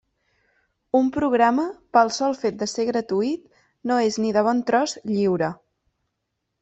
Un programa, pel sol fet de ser gratuït, no és ni de bon tros lliure.